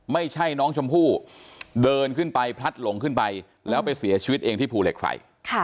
ไม่ใช่น้องชมพู่เดินขึ้นไปพลัดหลงขึ้นไปแล้วไปเสียชีวิตเองที่ภูเหล็กไฟ